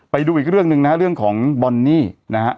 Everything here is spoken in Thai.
ไปดูอีกเรื่องหนึ่งนะฮะเรื่องของบอนนี่นะฮะ